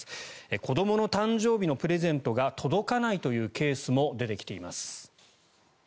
子どもの誕生日のプレゼントが届かないというケースも出てきています。